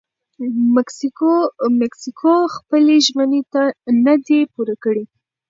مکسیکو خپلې ژمنې نه دي پوره کړي.